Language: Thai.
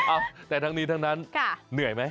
เอ้าแต่ทั้งนี้ทั้งนั้นเหนื่อยไหม